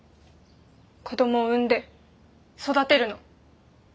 子どもを産んで育てるの。